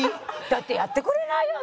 だってやってくれないよ